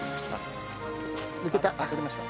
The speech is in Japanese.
抜けた。